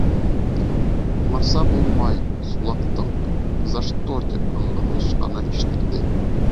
Уңарса булмай, Сулаҡтың, «за что», тип ыңғырашҡаны ишетелде.